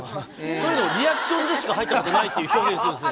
そういうの、リアクションでしか入ったことないって表現するんですね。